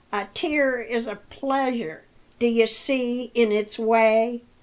A tear is a pleasure, d'ye see, in its way.